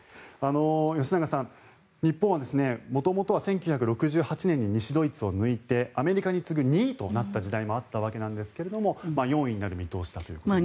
吉永さん、日本は元々は１９６８年に西ドイツを抜いてアメリカに次ぐ２位となった時代もあったわけですが４位になる見通しだということです。